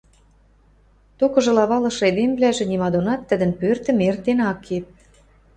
Токыжыла валышы эдемвлӓжӹ нима донат тӹдӹн пӧртӹм эртен ак кеп.